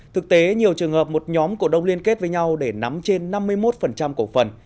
thực tế nhiều trường hợp một nhóm cổ đông liên kết với nhau để nắm trên năm mươi một cổ phần